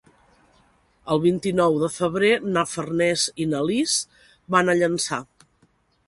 El vint-i-nou de febrer na Farners i na Lis van a Llançà.